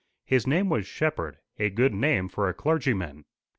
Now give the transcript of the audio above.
His name was Shepherd a good name for a clergyman.